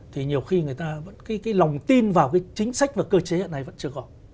thì nhiều khi người ta vẫn cái lòng tin vào cái chính sách và cơ chế hiện nay vẫn chưa có